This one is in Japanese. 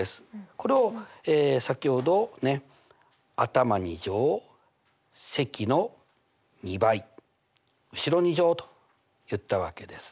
これを先ほど頭２乗積の２倍後ろ２乗と言ったわけですね。